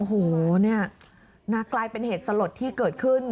โอ้โหเนี่ยนะกลายเป็นเหตุสลดที่เกิดขึ้น